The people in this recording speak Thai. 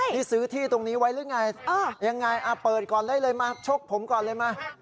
นี่ซื้อที่ตรงนี้ไว้หรือไงยังไงเปิดก่อนเลยมาชกผมก่อนเลยมา